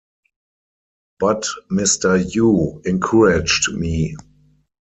But Mr. Yu encouraged me.